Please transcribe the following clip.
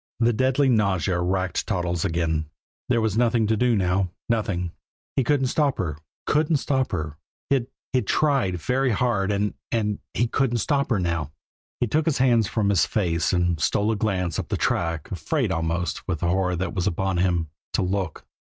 The deadly nausea racked Toddles again; there was nothing to do now nothing. He couldn't stop her couldn't stop her. He'd he'd tried very hard and and he couldn't stop her now. He took his hands from his face, and stole a glance up the track, afraid almost, with the horror that was upon him, to look.